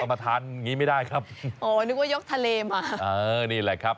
มาทานงี้ไม่ได้ครับอ๋อนึกว่ายกทะเลมานี่แหละครับ